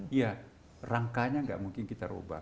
iya rangkanya nggak mungkin kita ubah